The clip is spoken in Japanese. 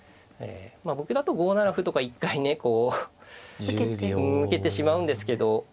僕だと５七歩とか一回ねこう受けてしまうんですけど。